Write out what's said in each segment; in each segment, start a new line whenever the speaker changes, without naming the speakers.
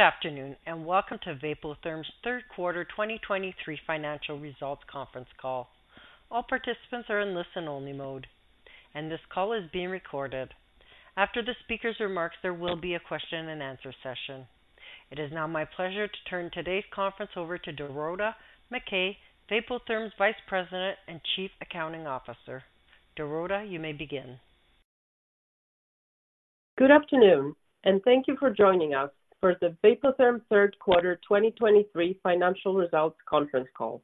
Good afternoon, and welcome to Vapotherm's Q3 2023 Financial Results Conference Call. All participants are in listen-only mode, and this call is being recorded. After the speaker's remarks, there will be a question and answer session. It is now my pleasure to turn today's conference over to Dorota McKay, Vapotherm's Vice President and Chief Accounting Officer. Dorota, you may begin.
Good afternoon, and thank you for joining us for the Vapotherm Q3 2023 Financial Results Conference Call.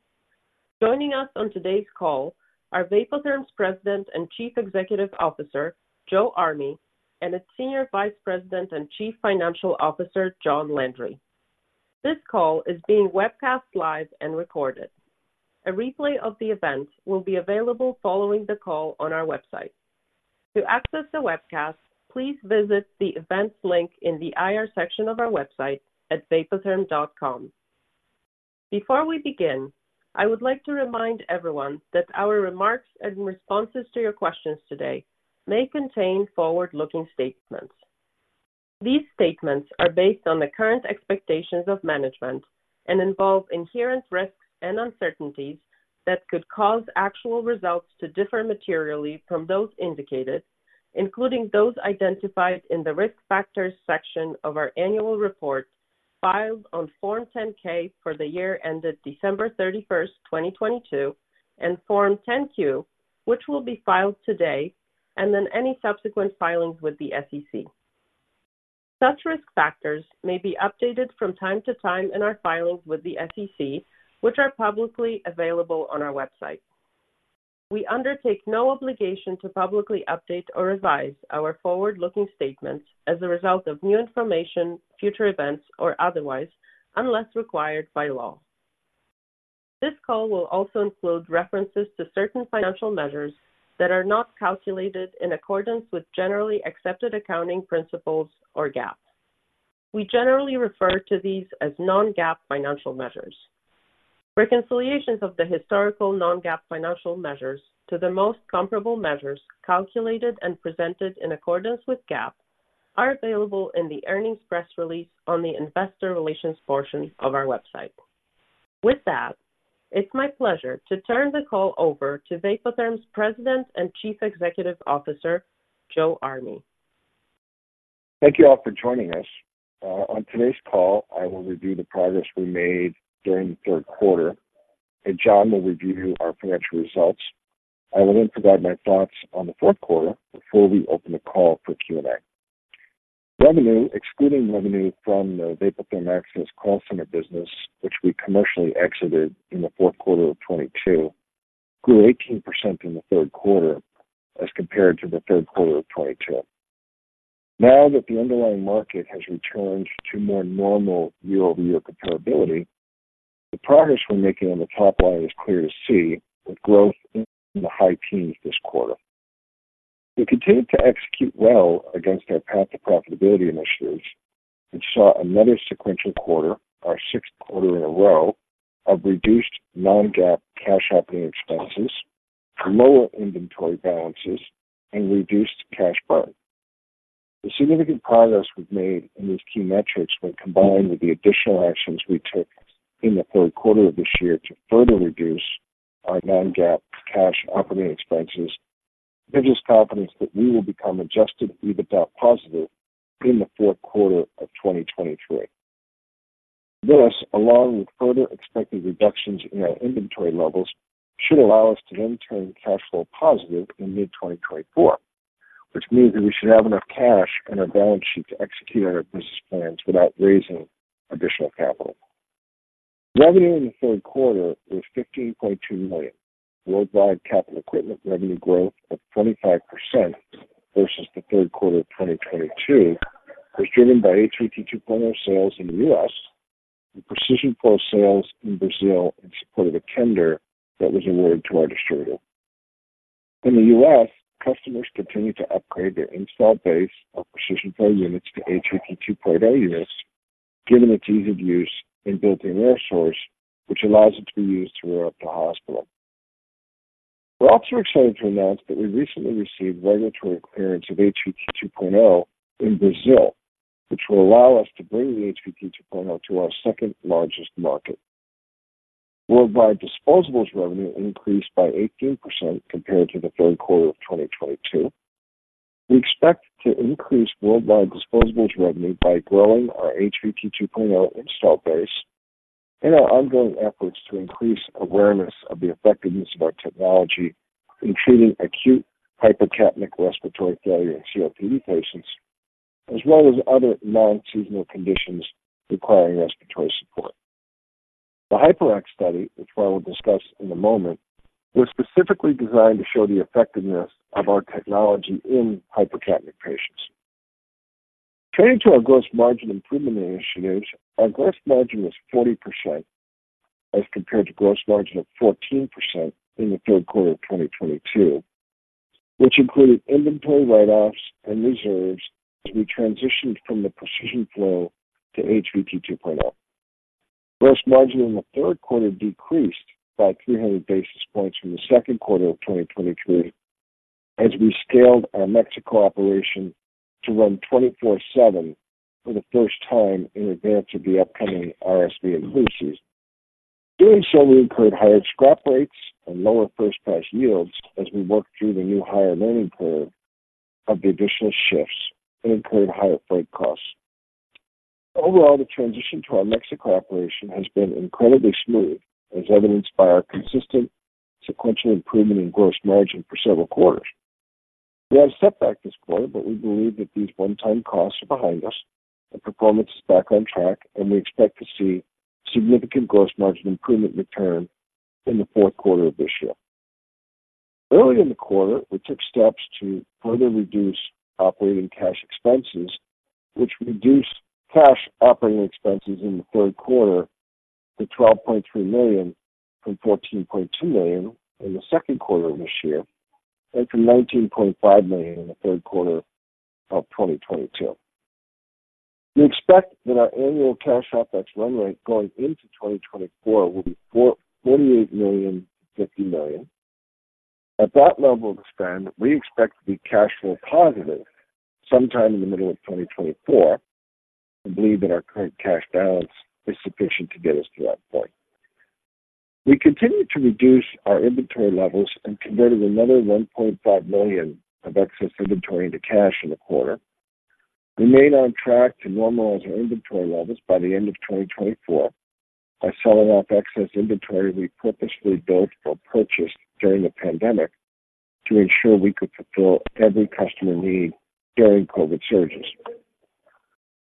Joining us on today's call are Vapotherm's President and Chief Executive Officer, Joe Army, and its Senior Vice President and Chief Financial Officer, John Landry. This call is being webcast live and recorded. A replay of the event will be available following the call on our website. To access the webcast, please visit the events link in the IR section of our website at vapotherm.com. Before we begin, I would like to remind everyone that our remarks and responses to your questions today may contain forward-looking statements. These statements are based on the current expectations of management and involve inherent risks and uncertainties that could cause actual results to differ materially from those indicated, including those identified in the Risk Factors section of our annual report, filed on Form 10-K for the year ended December 31, 2022, and Form 10-Q, which will be filed today, and then any subsequent filings with the SEC. Such risk factors may be updated from time to time in our filings with the SEC, which are publicly available on our website. We undertake no obligation to publicly update or revise our forward-looking statements as a result of new information, future events, or otherwise, unless required by law. This call will also include references to certain financial measures that are not calculated in accordance with generally accepted accounting principles or GAAP. We generally refer to these as non-GAAP financial measures. Reconciliations of the historical non-GAAP financial measures to the most comparable measures, calculated and presented in accordance with GAAP, are available in the earnings press release on the investor relations portion of our website. With that, it's my pleasure to turn the call over to Vapotherm's President and Chief Executive Officer, Joe Army.
Thank you all for joining us. On today's call, I will review the progress we made during the third quarter, and John will review our financial results. I will then provide my thoughts on the fourth quarter before we open the call for Q&A. Revenue, excluding revenue from the Vapotherm Access call center business, which we commercially exited in the fourth quarter of 2022, grew 18% in the third quarter as compared to the third quarter of 2022. Now that the underlying market has returned to more normal year-over-year comparability, the progress we're making on the top line is clear to see, with growth in the high teens this quarter. We continued to execute well against our path to profitability initiatives, which saw another sequential quarter, our sixth quarter in a row, of reduced non-GAAP cash operating expenses, lower inventory balances and reduced cash burn. The significant progress we've made in these key metrics, when combined with the additional actions we took in the third quarter of this year to further reduce our non-GAAP cash operating expenses, gives us confidence that we will become adjusted EBITDA positive in the fourth quarter of 2023. This, along with further expected reductions in our inventory levels, should allow us to then turn cash flow positive in mid-2024, which means that we should have enough cash on our balance sheet to execute on our business plans without raising additional capital. Revenue in the third quarter was $15.2 million. Worldwide capital equipment revenue growth of 25% versus the third quarter of 2022 was driven by HVT 2.0 sales in the U.S. and Precision Flow sales in Brazil in support of a tender that was awarded to our distributor. In the U.S., customers continued to upgrade their installed base of Precision Flow units to HVT 2.0 units, given its ease of use and built-in air source, which allows it to be used throughout the hospital. We're also excited to announce that we recently received regulatory clearance of HVT 2.0 in Brazil, which will allow us to bring the HVT 2.0 to our second-largest market. Worldwide disposables revenue increased by 18% compared to the third quarter of 2022. We expect to increase worldwide disposables revenue by growing our HVT 2.0 install base and our ongoing efforts to increase awareness of the effectiveness of our technology in treating acute hypercapnic respiratory failure in COPD patients, as well as other non-seasonal conditions requiring respiratory support. The HYPERACT study, which I will discuss in a moment, was specifically designed to show the effectiveness of our technology in hypercapnic patients. Turning to our gross margin improvement initiatives, our gross margin was 40%, as compared to gross margin of 14% in the third quarter of 2022, which included inventory write-offs and reserves as we transitioned from the Precision Flow to HVT 2.0. Gross margin in the third quarter decreased by 300 basis points from the second quarter of 2023, as we scaled our Mexico operation to run 24/7 for the first time in advance of the upcoming RSV and flu season. Doing so, we incurred higher scrap rates and lower first-pass yields as we worked through the new hire learning curve of the additional shifts and incurred higher freight costs. Overall, the transition to our Mexico operation has been incredibly smooth, as evidenced by our consistent sequential improvement in gross margin for several quarters. We had a setback this quarter, but we believe that these one-time costs are behind us and performance is back on track, and we expect to see significant gross margin improvement return in the fourth quarter of this year. Early in the quarter, we took steps to further reduce operating cash expenses, which reduced cash operating expenses in the third quarter to $12.3 million from $14.2 million in the second quarter of this year and from $19.5 million in the third quarter of 2022. We expect that our annual cash outflow run rate going into 2024 will be $48 million-$50 million. At that level of spend, we expect to be cash flow positive sometime in the middle of 2024, and believe that our current cash balance is sufficient to get us to that point. We continued to reduce our inventory levels and converted another $1.5 million of excess inventory into cash in the quarter. We remain on track to normalize our inventory levels by the end of 2024 by selling off excess inventory we purposefully built or purchased during the pandemic to ensure we could fulfill every customer need during COVID surges.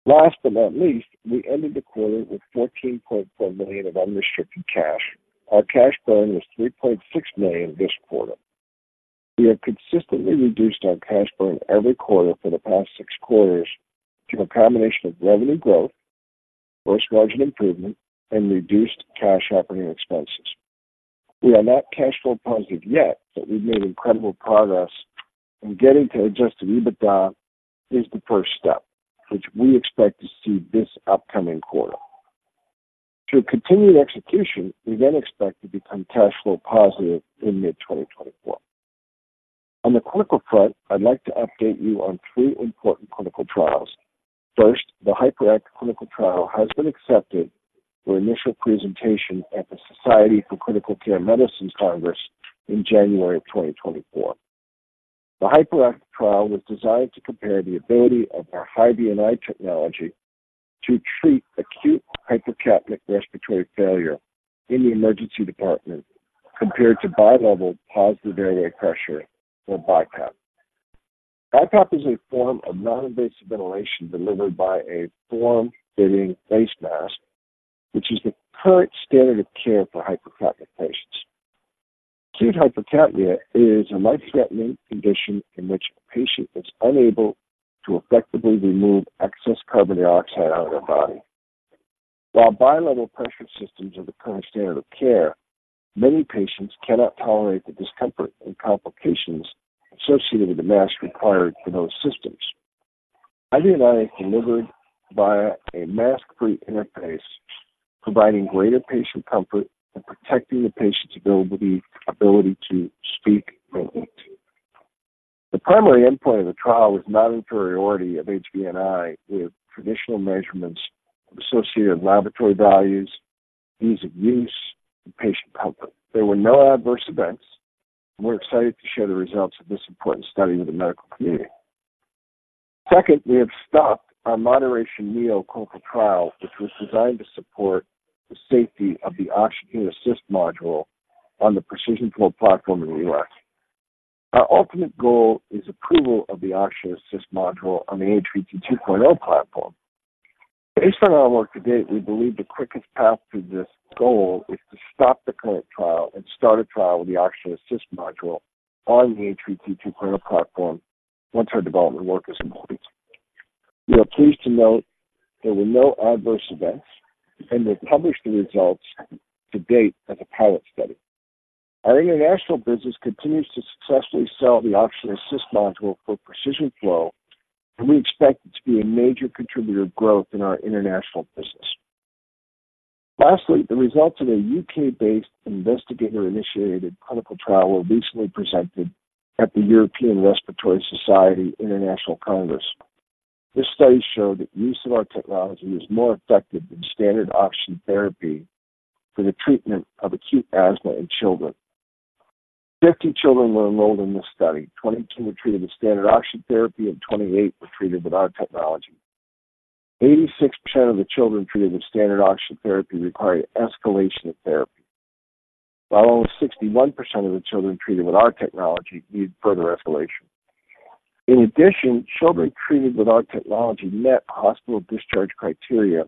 Last but not least, we ended the quarter with $14.4 million of unrestricted cash. Our cash burn was $3.6 million this quarter. We have consistently reduced our cash burn every quarter for the past six quarters through a combination of revenue growth, gross margin improvement, and reduced cash operating expenses. We are not cash flow positive yet, but we've made incredible progress, and getting to Adjusted EBITDA is the first step, which we expect to see this upcoming quarter. Through continued execution, we then expect to become cash flow positive in mid-2024. On the clinical front, I'd like to update you on three important clinical trials. First, the HYPERACT clinical trial has been accepted for initial presentation at the Society of Critical Care Medicine Congress in January 2024. The HYPERACT trial was designed to compare the ability of our Hi-VNI technology to treat acute hypercapnic respiratory failure in the emergency department, compared to bilevel positive airway pressure or BiPAP. BiPAP is a form of non-invasive ventilation delivered by a form-fitting face mask, which is the current standard of care for hypercapnic patients. Acute hypercapnia is a life-threatening condition in which a patient is unable to effectively remove excess carbon dioxide out of their body. While bilevel pressure systems are the current standard of care, many patients cannot tolerate the discomfort and complications associated with the mask required for those systems. Hi-VNI is delivered via a mask-free interface, providing greater patient comfort and protecting the patient's ability, ability to speak and eat. The primary endpoint of the trial was non-inferiority of Hi-VNI with traditional measurements of associated laboratory values, ease of use, and patient comfort. There were no adverse events, and we're excited to share the results of this important study with the medical community. Second, we have stopped our MODERATION-NEO clinical trial, which was designed to support the safety of the Oxygen Assist Module on the Precision Flow platform in the U.S. Our ultimate goal is approval of the Oxygen Assist Module on the HVT 2.0 platform. Based on our work to date, we believe the quickest path to this goal is to stop the current trial and start a trial with the Oxygen Assist Module on the HVT 2.0 platform once our development work is complete. We are pleased to note there were no adverse events, and we've published the results to date as a pilot study. Our international business continues to successfully sell the Oxygen Assist Module for Precision Flow, and we expect it to be a major contributor to growth in our international business. Lastly, the results of a U.K. based investigator-initiated clinical trial were recently presented at the European Respiratory Society International Congress. This study showed that use of our technology is more effective than standard oxygen therapy for the treatment of acute asthma in children. 50 children were enrolled in this study. 22 were treated with standard oxygen therapy, and 28 were treated with our technology. 86% of the children treated with standard oxygen therapy required escalation of therapy, while only 61% of the children treated with our technology needed further escalation. In addition, children treated with our technology met hospital discharge criteria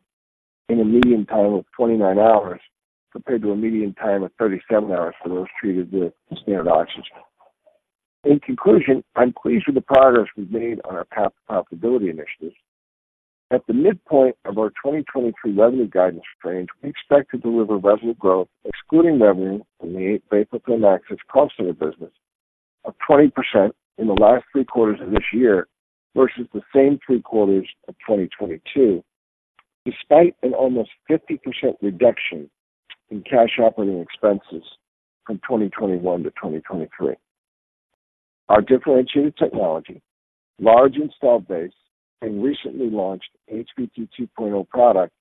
in a median time of 29 hours, compared to a median time of 37 hours for those treated with standard oxygen. In conclusion, I'm pleased with the progress we've made on our path to profitability initiatives. At the midpoint of our 2023 revenue guidance range, we expect to deliver revenue growth, excluding revenue from the Vapotherm Access call center business.... 20% in the last three quarters of this year versus the same three quarters of 2022, despite an almost 50% reduction in cash operating expenses from 2021-2023. Our differentiated technology, large installed base, and recently launched HVT 2.0 product,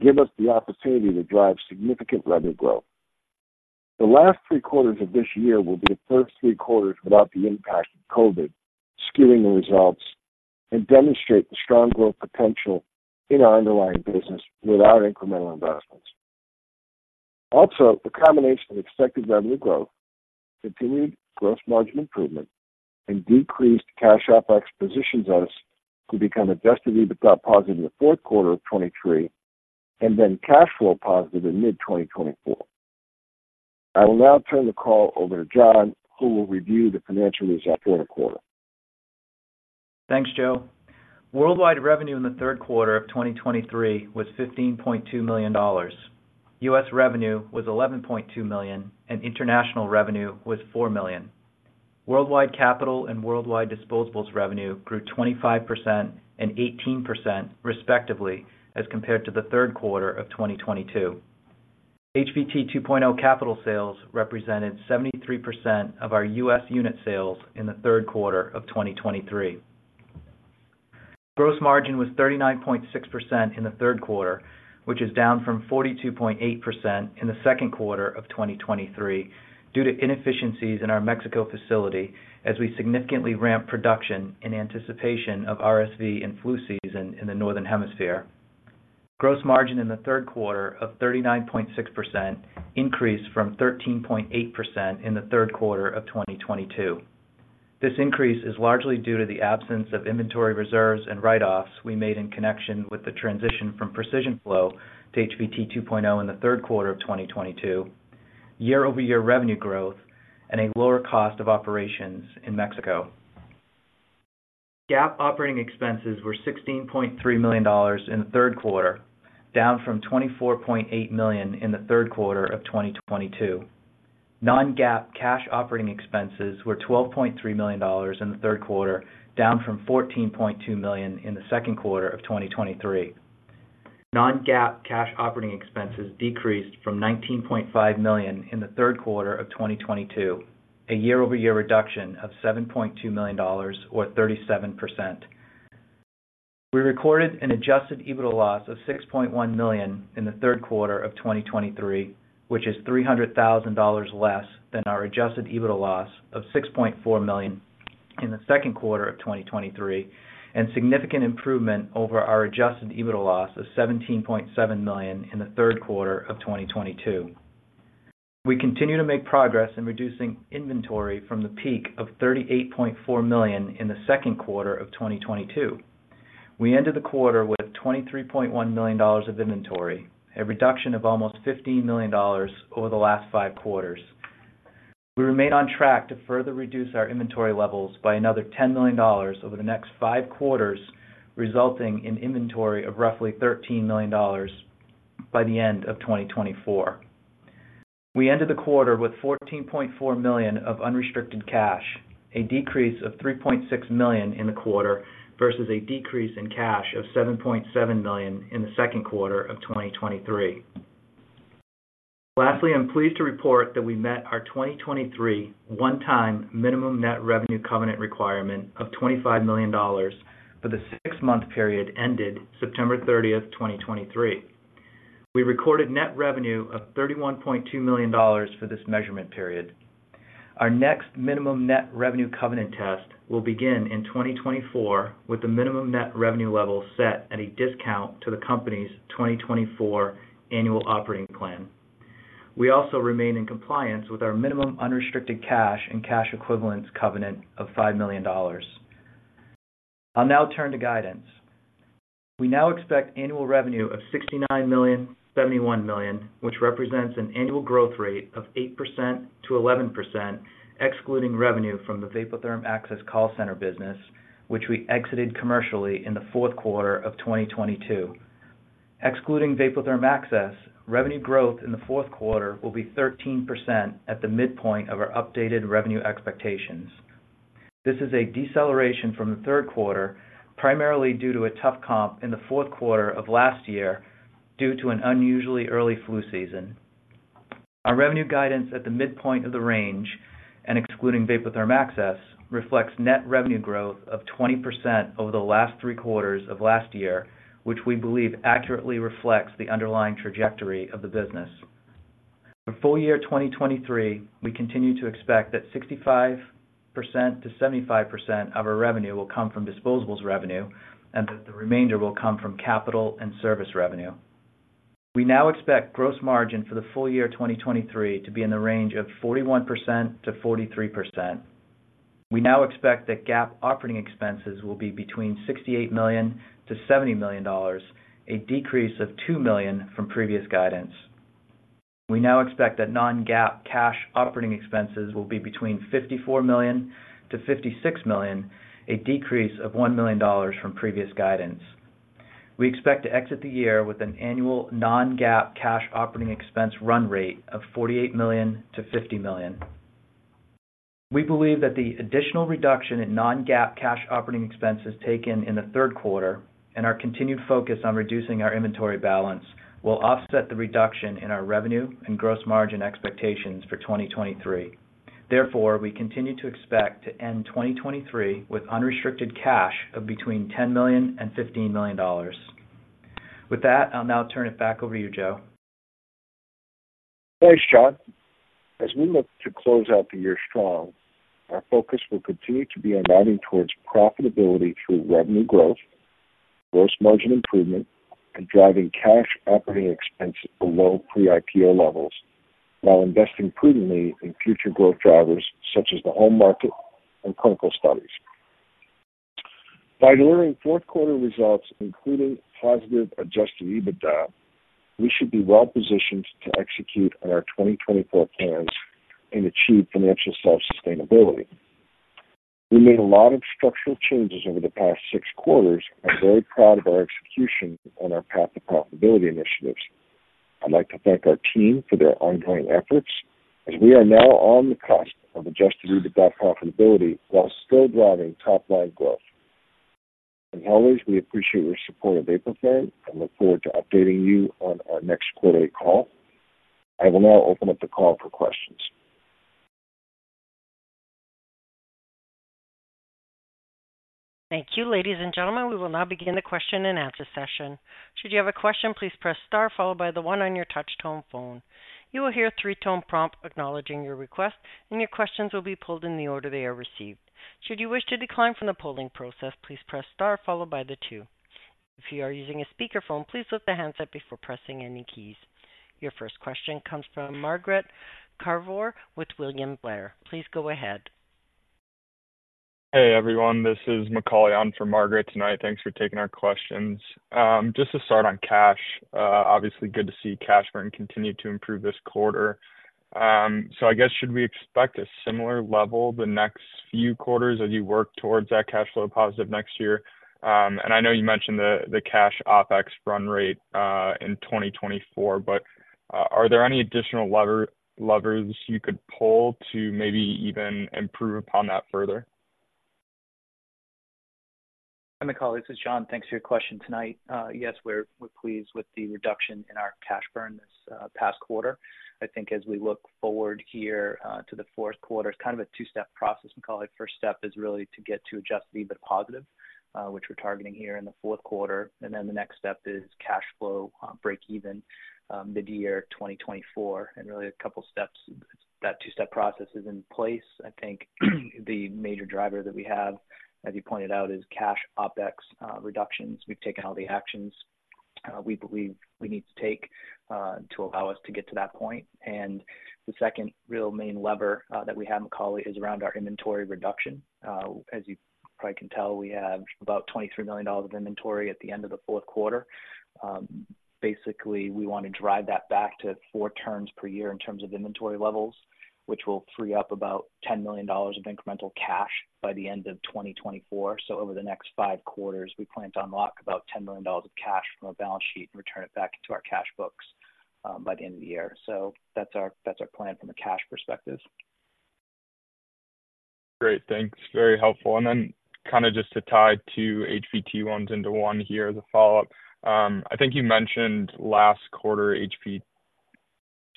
give us the opportunity to drive significant revenue growth. The last three quarters of this year will be the first three quarters without the impact of COVID skewing the results, and demonstrate the strong growth potential in our underlying business without incremental investments. Also, the combination of expected revenue growth, continued gross margin improvement, and decreased cash outlays positions us to become Adjusted EBITDA positive in the fourth quarter of 2023, and then cash flow positive in mid-2024. I will now turn the call over to John, who will review the financial results for the quarter.
Thanks, Joe. Worldwide revenue in the third quarter of 2023 was $15.2 million. U.S. revenue was $11.2 million, and international revenue was $4 million. Worldwide capital and worldwide disposables revenue grew 25% and 18%, respectively, as compared to the third quarter of 2022. HVT 2.0 capital sales represented 73% of our U.S. unit sales in the third quarter of 2023. Gross margin was 39.6% in the third quarter, which is down from 42.8% in the second quarter of 2023, due to inefficiencies in our Mexico facility as we significantly ramped production in anticipation of RSV and flu season in the Northern Hemisphere. Gross margin in the third quarter of 39.6% increased from 13.8% in the third quarter of 2022. This increase is largely due to the absence of inventory reserves and write-offs we made in connection with the transition from Precision Flow to HVT 2.0 in the third quarter of 2022, year-over-year revenue growth, and a lower cost of operations in Mexico. GAAP operating expenses were $16.3 million in the third quarter, down from $24.8 million in the third quarter of 2022. Non-GAAP cash operating expenses were $12.3 million in the third quarter, down from $14.2 million in the second quarter of 2023. Non-GAAP cash operating expenses decreased from $19.5 million in the third quarter of 2022, a year-over-year reduction of $7.2 million, or 37%. We recorded an Adjusted EBITDA loss of $6.1 million in the third quarter of 2023, which is $300,000 less than our Adjusted EBITDA loss of $6.4 million in the second quarter of 2023, and significant improvement over our Adjusted EBITDA loss of $17.7 million in the third quarter of 2022. We continue to make progress in reducing inventory from the peak of $38.4 million in the second quarter of 2022. We ended the quarter with $23.1 million of inventory, a reduction of almost $15 million over the last five quarters. We remain on track to further reduce our inventory levels by another $10 million over the next five quarters, resulting in inventory of roughly $13 million by the end of 2024. We ended the quarter with $14.4 million of unrestricted cash, a decrease of $3.6 million in the quarter, versus a decrease in cash of $7.7 million in the second quarter of 2023. Lastly, I'm pleased to report that we met our 2023 one-time minimum net revenue covenant requirement of $25 million for the six month period ended September 30, 2023. We recorded net revenue of $31.2 million for this measurement period. Our next minimum net revenue covenant test will begin in 2024, with the minimum net revenue level set at a discount to the company's 2024 annual operating plan. We also remain in compliance with our minimum unrestricted cash and cash equivalents covenant of $5 million. I'll now turn to guidance. We now expect annual revenue of $69 million-$71 million, which represents an annual growth rate of 8%-11%, excluding revenue from the Vapotherm Access call center business, which we exited commercially in the fourth quarter of 2022. Excluding Vapotherm Access, revenue growth in the fourth quarter will be 13% at the midpoint of our updated revenue expectations. This is a deceleration from the third quarter, primarily due to a tough comp in the fourth quarter of last year due to an unusually early flu season. Our revenue guidance at the midpoint of the range, and excluding Vapotherm Access, reflects net revenue growth of 20% over the last three quarters of last year, which we believe accurately reflects the underlying trajectory of the business. For full year 2023, we continue to expect that 65%-75% of our revenue will come from disposables revenue, and that the remainder will come from capital and service revenue. We now expect gross margin for the full year 2023 to be in the range of 41%-43%. We now expect that GAAP operating expenses will be between $68 million-$70 million, a decrease of $2 million from previous guidance. We now expect that non-GAAP cash operating expenses will be between $54 million-$56 million, a decrease of $1 million from previous guidance. We expect to exit the year with an annual non-GAAP cash operating expense run rate of $48 million-$50 million. We believe that the additional reduction in non-GAAP cash operating expenses taken in the third quarter and our continued focus on reducing our inventory balance will offset the reduction in our revenue and gross margin expectations for 2023. Therefore, we continue to expect to end 2023 with unrestricted cash of between $10 million and $15 million. With that, I'll now turn it back over to you, Joe.
Thanks, John. As we look to close out the year strong, our focus will continue to be aligning towards profitability through revenue growth, gross margin improvement, and driving cash operating expenses below pre-IPO levels, while investing prudently in future growth drivers such as the home market and clinical studies. By delivering fourth quarter results, including positive Adjusted EBITDA, we should be well-positioned to execute on our 2024 plans and achieve financial self-sustainability. We made a lot of structural changes over the past six quarters. I'm very proud of our execution and our path to profitability initiatives. I'd like to thank our team for their ongoing efforts, as we are now on the cusp of Adjusted EBITDA profitability while still driving top-line growth. As always, we appreciate your support of Vapotherm, and look forward to updating you on our next quarter call. I will now open up the call for questions.
Thank you. Ladies and gentlemen, we will now begin the question and answer session. Should you have a question, please press star followed by the one on your touch-tone phone. You will hear a three-tone prompt acknowledging your request, and your questions will be pulled in the order they are received. Should you wish to decline from the polling process, please press star followed by the two. If you are using a speakerphone, please lift the handset before pressing any keys. Your first question comes from Margaret Kaczor with William Blair. Please go ahead.
Hey, everyone, this is Macauley in for Margaret tonight. Thanks for taking our questions. Just to start on cash, obviously good to see cash burn continue to improve this quarter. So I guess should we expect a similar level the next few quarters as you work towards that cash flow positive next year? And I know you mentioned the, the cash OpEx run rate, in 2024, but, are there any additional lever, levers you could pull to maybe even improve upon that further?
Hi, Macauley, this is John. Thanks for your question tonight. Yes, we're, we're pleased with the reduction in our cash burn this past quarter. I think as we look forward here to the fourth quarter, it's kind of a two-step process, Macauley. First step is really to get to Adjusted EBITDA positive, which we're targeting here in the fourth quarter. And then the next step is cash flow breakeven mid-year 2024. And really a couple of steps. That two-step process is in place. I think the major driver that we have, as you pointed out, is cash OpEx reductions. We've taken all the actions we believe we need to take to allow us to get to that point. And the second real main lever that we have, Macauley, is around our inventory reduction. As you probably can tell, we have about $23 million of inventory at the end of the fourth quarter. Basically, we want to drive that back to four turns per year in terms of inventory levels, which will free up about $10 million of incremental cash by the end of 2024. So over the next five quarters, we plan to unlock about $10 million of cash from our balance sheet and return it back to our cash books, by the end of the year. So that's our, that's our plan from a cash perspective.
Great, thanks. Very helpful. And then kind of just to tie two HVT ones into one here as a follow-up. I think you mentioned last quarter,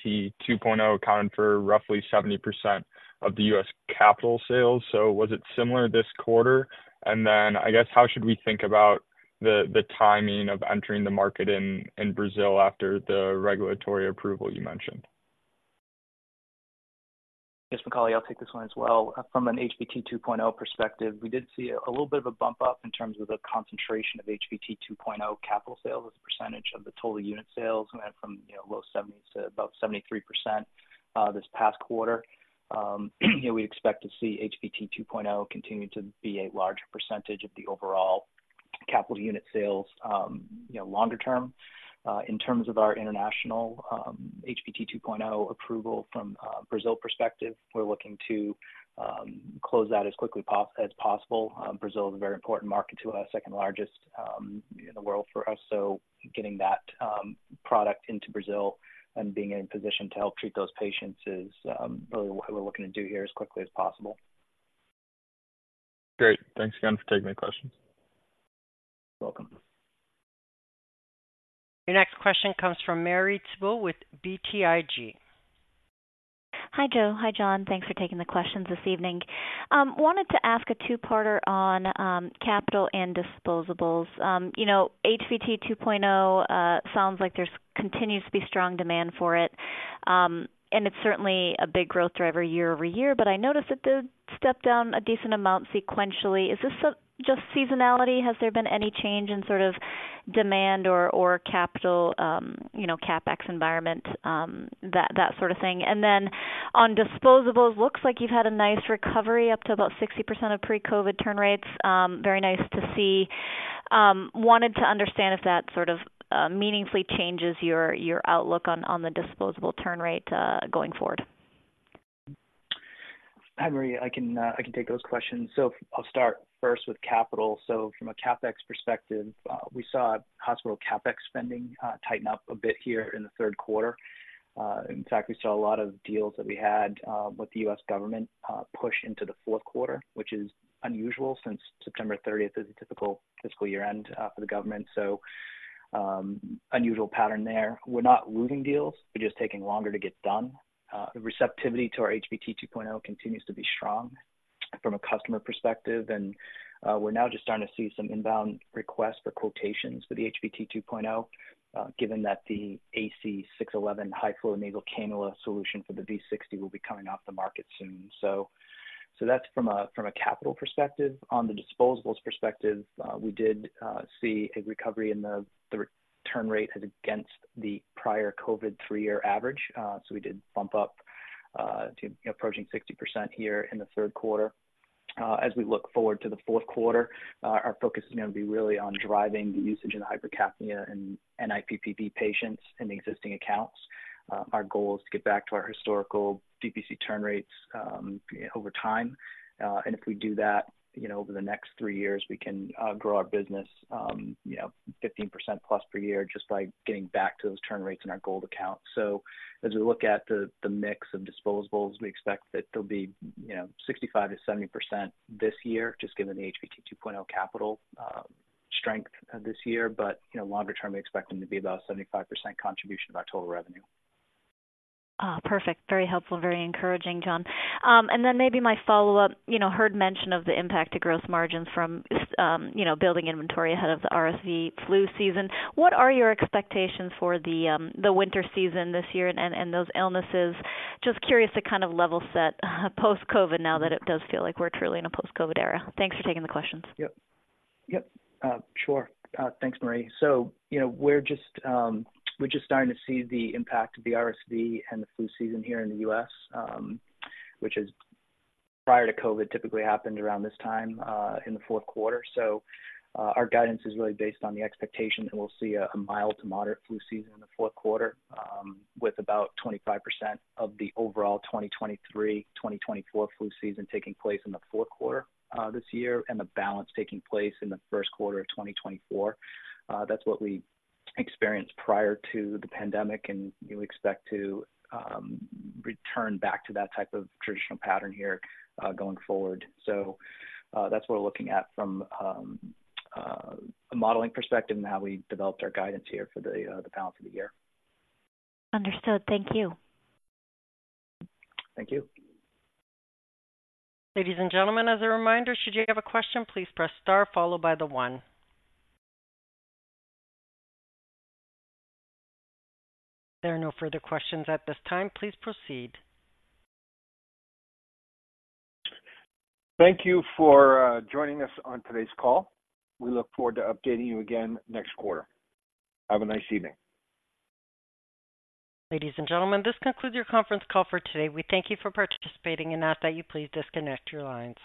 HVT 2.0 accounted for roughly 70% of the U.S. capital sales. So was it similar this quarter? And then, I guess, how should we think about the timing of entering the market in Brazil after the regulatory approval you mentioned?
Yes, Macauley, I'll take this one as well. From an HVT 2.0 perspective, we did see a little bit of a bump up in terms of the concentration of HVT 2.0 capital sales as a percentage of the total unit sales, went from low 70s to about 73%, this past quarter. We expect to see HVT 2.0 continue to be a large percentage of the overall capital unit sales, longer term. In terms of our international HVT 2.0 approval from Brazil perspective, we're looking to close that as quickly as possible. Brazil is a very important market to us, second largest in the world for us. Getting that product into Brazil and being in a position to help treat those patients is really what we're looking to do here as quickly as possible.
Great. Thanks again for taking my questions.
You're welcome.
Your next question comes from Marie Thibault with BTIG.
Hi, Joe. Hi, John. Thanks for taking the questions this evening. Wanted to ask a two parter on capital and disposables. You know, HVT 2.0 sounds like there's continues to be strong demand for it, and it's certainly a big growth driver year-over-year, but I noticed that the step down a decent amount sequentially. Is this just seasonality? Has there been any change in sort of demand or, or capital, you know, CapEx environment, that sort of thing? And then on disposables, looks like you've had a nice recovery up to about 60% of pre-COVID turn rates. Very nice to see. Wanted to understand if that sort of meaningfully changes your outlook on the disposable turn rate going forward....
Hi, Marie. I can, I can take those questions. So I'll start first with capital. So from a CapEx perspective, we saw hospital CapEx spending, tighten up a bit here in the third quarter. In fact, we saw a lot of deals that we had, with the U.S. government, push into the fourth quarter, which is unusual since September 30th is a typical fiscal year-end, for the government. So, unusual pattern there. We're not losing deals; they're just taking longer to get done. The receptivity to our HVT 2.0 continues to be strong from a customer perspective, and we're now just starting to see some inbound requests for quotations for the HVT 2.0, given that the AC6-11 high flow enabled cannula solution for the V60 will be coming off the market soon. So that's from a capital perspective. On the disposables perspective, we did see a recovery in the return rate as against the prior COVID three-year average. So we did bump up to approaching 60% here in the third quarter. As we look forward to the fourth quarter, our focus is going to be really on driving the usage in hypercapnia and NIPPV patients in the existing accounts. Our goal is to get back to our historical DPC turn rates over time. And if we do that, you know, over the next three years, we can grow our business, you know, 15% plus per year, just by getting back to those turn rates in our gold account. So as we look at the mix of disposables, we expect that they'll be, you know, 65%-70% this year, just given the HVT 2.0 capital strength this year. But, you know, longer term, we expect them to be about 75% contribution of our total revenue.
Ah, perfect. Very helpful, very encouraging, John. And then maybe my follow-up, you know, heard mention of the impact to gross margins from, you know, building inventory ahead of the RSV flu season. What are your expectations for the winter season this year and those illnesses? Just curious to kind of level set post-COVID, now that it does feel like we're truly in a post-COVID era. Thanks for taking the questions.
Yep. Yep, sure. Thanks, Marie. So, you know, we're just, we're just starting to see the impact of the RSV and the flu season here in the U.S., which is prior to COVID, typically happened around this time, in the fourth quarter. So, our guidance is really based on the expectation that we'll see a, a mild to moderate flu season in the fourth quarter, with about 25% of the overall 2023/2024 flu season taking place in the fourth quarter, this year, and the balance taking place in the first quarter of 2024. That's what we experienced prior to the pandemic, and we expect to, return back to that type of traditional pattern here, going forward. So, that's what we're looking at from a modeling perspective and how we developed our guidance here for the balance of the year.
Understood. Thank you.
Thank you.
Ladies and gentlemen, as a reminder, should you have a question, please press star followed by the one. There are no further questions at this time. Please proceed.
Thank you for joining us on today's call. We look forward to updating you again next quarter. Have a nice evening.
Ladies and gentlemen, this concludes your conference call for today. We thank you for participating and ask that you please disconnect your lines.